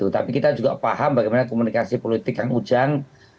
tapi kita juga paham bagaimana komunikasi politik yang ujang